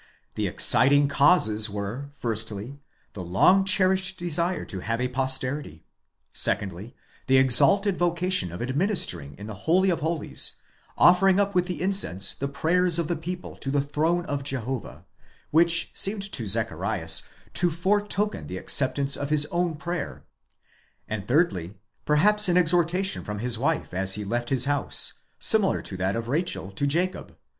The exciting causes were, firstly, the long cherished desire to have a posterity ; secondly, the exalted vocation of administering in the Holy of Holies, offering up with the incense the prayers of the people to the throne of Jehovah, which seemed to Zacharzas to foretoken the accep tance of his own prayer ; and thirdly, perhaps an exhortation from his wife as he left his house, similar to that of Rachel to Jacob.